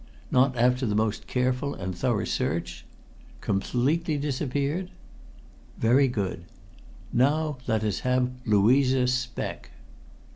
Not after the most careful and thorough search? Completely disappeared? Very good. Now let us have Louisa Speck."